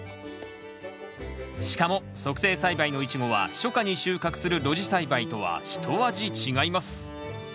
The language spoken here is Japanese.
しかも促成栽培のイチゴは初夏に収穫する露地栽培とはひと味違います